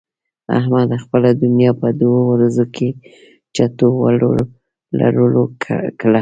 احمد خپله دونيا په دوو ورځو کې چټو و لړو کړه.